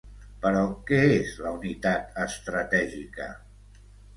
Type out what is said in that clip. Però què és la unitat estratègica?